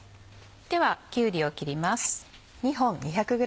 ではきゅうりを切ります。